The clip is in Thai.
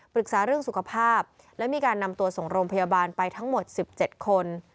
ปรึกษาเรื่องสุขภาพและมีการนำตัวส่งโรงพยาบาลไปทั้งหมด๑๗คน